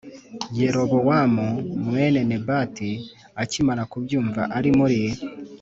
Yerobowamu e mwene nebati akimara kubyumva ari muri